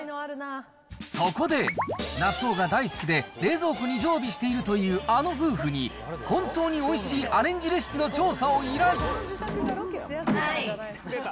そこで、納豆が大好きで冷蔵庫に常備しているというあの夫婦に、本当においしいアレンジレシピの調査を依頼。